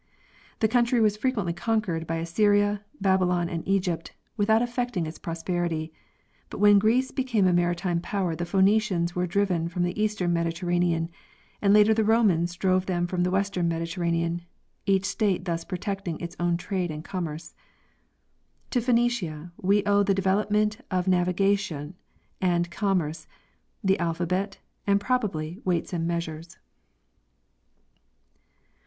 The country was frequently conquered by Assyria, Babylon, and Egypt without affecting its prosperity; but when Greece became a maritime power the Phenecians were driven from the _ eastern Mediterranean, and later the Romans drove them from 'the western Mediterranean, each state thus protecting its own trade and commerce. To Phenecia we owe the development of navigation and com merce, the alphabet and, probably, weights and measures.